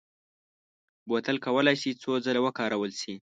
بوتل کولای شي څو ځله وکارول شي.